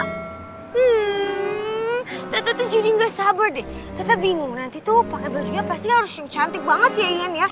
hmm tata tuh jadi nggak sabar deh tata bingung nanti tuh pake bajunya pasti harus yang cantik banget ya iyan ya